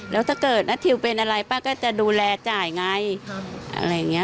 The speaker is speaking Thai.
แล้วถ้าเกิดทิวเป็นอะไรก็จะดูแลจ่ายไง